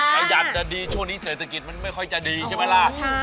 ขยับจะดีช่วงนี้เศรษฐกิจมันไม่ค่อยจะดีใช่ไหมล่ะ